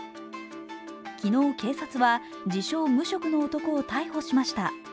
昨日警察は、自称・無職の男を逮捕しました。